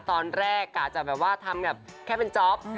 ตอนแรกกะจะแบบว่าทำแบบแค่เป็นจ๊อป